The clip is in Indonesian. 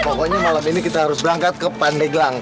pokoknya malam ini kita harus berangkat ke pandeglang